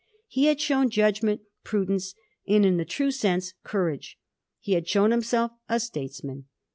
He had shown judgment, prudence, and, in the true sense, courage. He had shown himself a statesman.